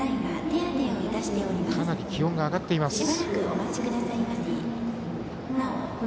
かなり気温が上がっています。